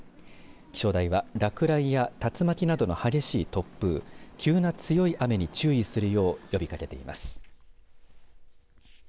気象台は落雷や竜巻などの激しい突風急な強い雨に注意するよう呼びかけています。